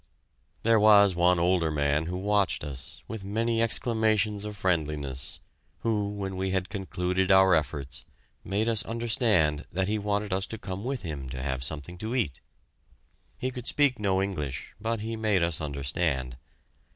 There was one older man who watched us, with many exclamations of friendliness, who, when we had concluded our efforts, made us understand that he wanted us to come with him to have something to eat. He could speak no English, but he made us understand.